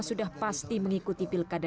sudah pasti mengikuti pilkada